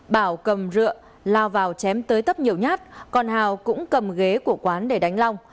bảo cầm rượu lao vào chém tới tấp nhiều nhát còn hào cũng cầm ghế của quán để đánh long